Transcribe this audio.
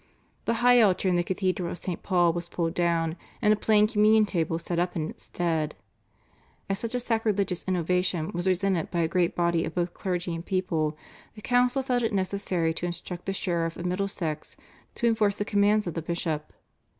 The high altar in the Cathedral of St. Paul was pulled down, and a plain Communion table set up in its stead. As such a sacrilegious innovation was resented by a great body of both clergy and people, the council felt it necessary to instruct the sheriff of Middlesex to enforce the commands of the bishop.